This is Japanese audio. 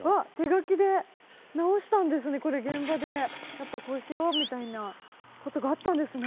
やっぱこうしようみたいなことがあったんですね。